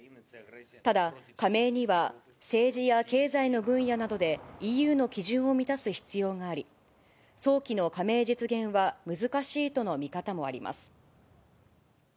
ただ、加盟には政治や経済の分野などでＥＵの基準を満たす必要があり、早期の加盟実現は難しいとの見方もあります。